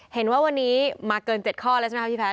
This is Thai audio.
เห็นว่าวันนี้มาเกิน๗ข้อแล้วใช่ไหมครับพี่แพท